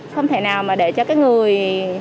không thể nào mà để cho cái người